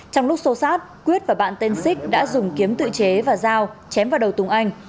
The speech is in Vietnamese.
trong lúc xô sát quyết và bạn tên xích đã dùng kiếm tự chế và dao chém vào đầu tùng anh